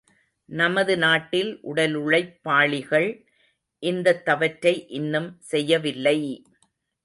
நமது நாட்டில் உடலுழைப்பாளிகள் இந்தத் தவற்றை இன்னும் செய்யவில்லை!